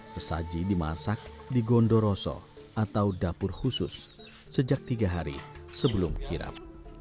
sesaji dimasak di gondoroso atau dapur khusus sejak tiga hari sebelum kirap